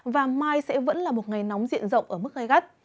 và mai sẽ vẫn là một ngày nóng diện rộng ở mức gai gắt